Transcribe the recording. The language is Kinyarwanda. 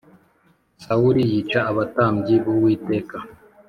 Sawuli yica abatambyi b’Uwiteka